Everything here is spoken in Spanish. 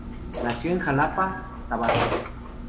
Nació en Jalapa, Tabasco.